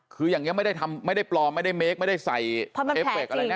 คืออย่างนี้ไม่ได้ทำไม่ได้ปลอมไม่ได้เมคไม่ได้ใส่เอฟเคอะไรนะ